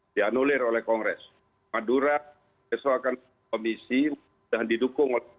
di anulir oleh kongres madura besok akan komisi dan didukung